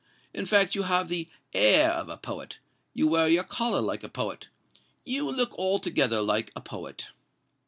In fact you have the air of a poet—you wear your collar like a poet—you look altogether like a poet."